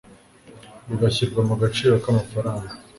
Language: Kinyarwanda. bigashyirwa mu gaciro k amafaranga